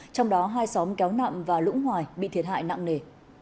trong đó hai xóm kéo nạm và lũng hoài bị thiệt hại nặng nề